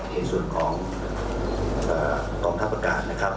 ทรียวส่วนของกองทับอากาศนะครับ